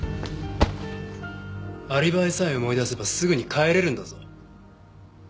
アリバイさえ思い出せばすぐに帰れるんだぞ。